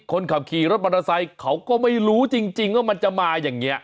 คนขับขี่รถมอเตอร์ไซค์เขาก็ไม่รู้จริงว่ามันจะมาอย่างนี้